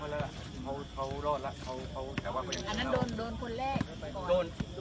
สวัสดีครับทุกคนขอบคุณครับทุกคน